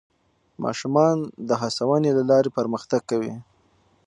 ماشومان د هڅونې له لارې پرمختګ کوي